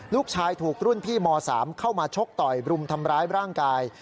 ลูกชายถูกรุ่นพี่ม๓เข้ามาชกต่อยบรุมทำร้ายร่างกาย